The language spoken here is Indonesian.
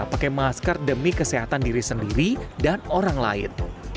pakai masker demi kesehatan diri sendiri dan orang lain